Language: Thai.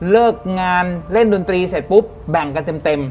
เลิกงานเล่นดนตรีเสร็จปุ๊บแบ่งกันเต็ม